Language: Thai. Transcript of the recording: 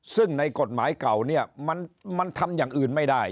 ซึ่งในกฎหมายเก่าเนี่ยมันทำอย่างอื่นไม่ได้